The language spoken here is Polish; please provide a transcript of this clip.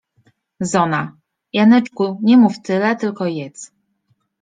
Zona: — Janeczku, nie mów tyle, tylko jedz.